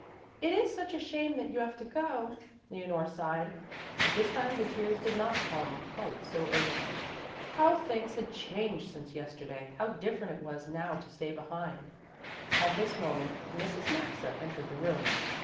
"It is such a shame that you have to go," Leonore sighed, but this time the tears did not come quite so urgently. How things had changed since yesterday how different it was now to stay behind! At this moment Mrs. Maxa entered the room.